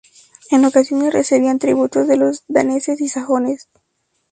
En ocasiones recibían tributos de los daneses y sajones.